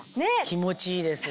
気持ちいいです。